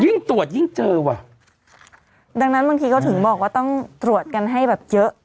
ยิ่งตรวจยิ่งเจอว่ะดังนั้นบางทีเขาถึงบอกว่าต้องตรวจกันให้แบบเยอะ